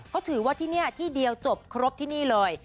เขาถือว่าที่นี่ที่เดียวจบครบที่นี่เลย